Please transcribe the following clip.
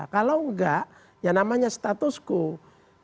kalau enggak yang namanya status quo